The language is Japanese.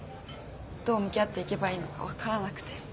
どう向き合っていけばいいのか分からなくて。